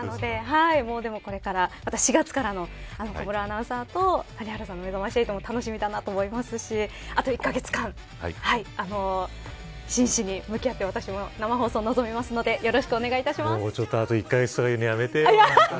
これから、また４月からの小室アナウンサーと谷原さんのめざまし８も楽しみだと思いますしあと１カ月間真摯に向き合って、私も生放送に臨みますのであと１カ月っていうのやめてよ。